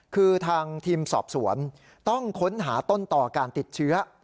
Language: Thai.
คือทางทีมสอบสวนต้องค้นหาต้นต่อการติดเชื้อ